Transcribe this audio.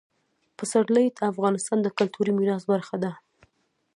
پسرلی د افغانستان د کلتوري میراث برخه ده.